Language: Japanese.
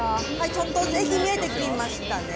ちょっとずつ、駅見えてきましたね。